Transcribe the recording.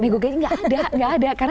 nego gaji gak ada gak ada